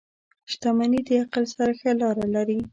• شتمني د عقل سره ښه لاره لري.